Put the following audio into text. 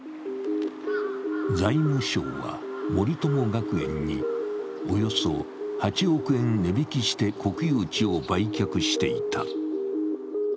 財務省は森友学園におよそ８億円値引きして国有地を売却していた。